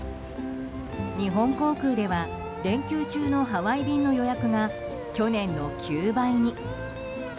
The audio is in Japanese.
日本航空では連休中のハワイ便の予約が去年の９倍に。